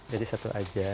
jadi satu aja